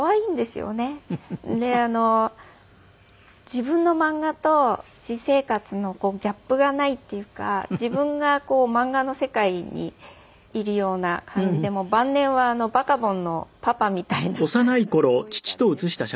で自分の漫画と私生活のギャップがないっていうか自分が漫画の世界にいるような感じで晩年はバカボンのパパみたいなそういう感じでした。